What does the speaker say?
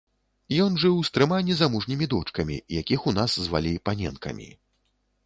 Ён жыў з трыма незамужнімі дочкамі, якіх у нас звалі паненкамі.